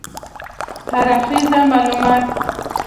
هراړخیز معلومات